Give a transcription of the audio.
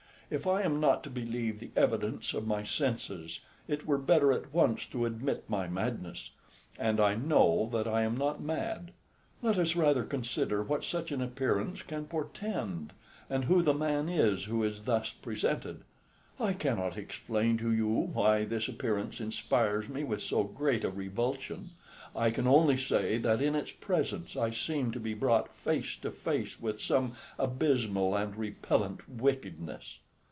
If I am not to believe the evidence of my senses, it were better at once to admit my madness and I know that I am not mad. Let us rather consider what such an appearance can portend, and who the man is who is thus presented. I cannot explain to you why this appearance inspires me with so great a revulsion. I can only say that in its presence I seem to be brought face to face with some abysmal and repellent wickedness.